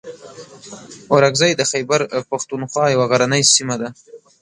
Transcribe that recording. اورکزۍ د خیبر پښتونخوا یوه غرنۍ سیمه ده.